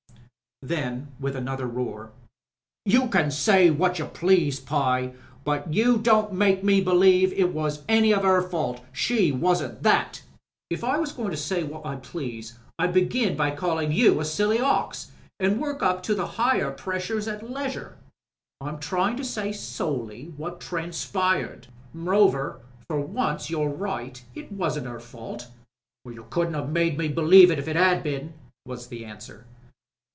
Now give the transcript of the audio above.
..." Then with another roar: "You can say what you please, Pye, but you don't make me believe it was any of 'er fault. She wasn't that!^* "If I was going to say what I please, I'd begin by callin' you a silly ox an' work up to the higher pressures at leisure. I'm trying to say solely what transpired. M'rover, for once you're right. It wasn't her fault." "You couldn't 'aven't made me believe it if it 'ad been," was the answer.